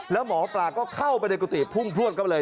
แล้วหมอปลาก็เข้าไปในกุฏิพุ่งพลวดเข้าไปเลย